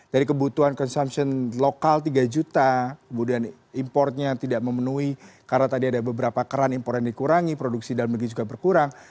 dari kebutuhan consumption lokal tiga juta kemudian importnya tidak memenuhi karena tadi ada beberapa keran impor yang dikurangi produksi dalam negeri juga berkurang